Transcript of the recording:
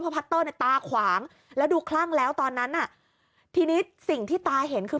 พัตเตอร์เนี่ยตาขวางแล้วดูคลั่งแล้วตอนนั้นอ่ะทีนี้สิ่งที่ตาเห็นคือ